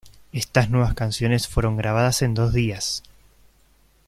Estas nuevas canciones fueron grabadas en dos días.